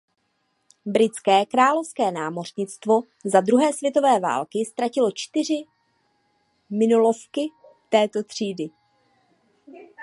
Britské královské námořnictvo za druhé světové války ztratilo čtyři minolovky této třídy.